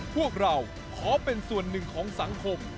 พวกเราขอเป็นส่วนหนึ่งของสังคม